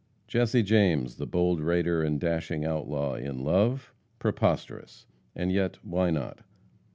Jesse James, the bold raider and dashing outlaw, in love? Preposterous! And yet why not?